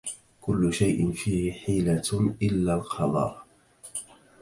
كلّ شيء فيه حيلة إلّا القضاء.